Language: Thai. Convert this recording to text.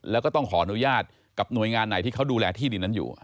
แล้วก็ต้องขออนุญาตกับหน่วยงานไหนที่เขาดูแลที่ดินนั้นอยู่